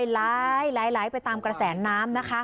หลายไปตามกระแสน้ำนะคะ